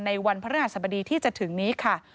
วันพระราชสมดีที่จะถึงนี้ค่ะ